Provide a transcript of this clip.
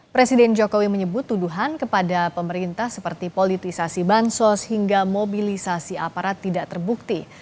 presiden jokowi menyebut tuduhan kepada pemerintah seperti politisasi bansos hingga mobilisasi aparat tidak terbukti